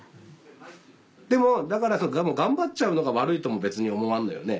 でも頑張っちゃうのが悪いとも別に思わんのよね。